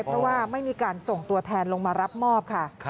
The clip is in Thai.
เพราะว่าไม่มีการส่งตัวแทนลงมารับมอบค่ะ